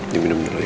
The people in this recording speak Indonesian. yuk minum dulu ya